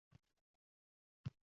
Har doim ko’zingizni ochib yuring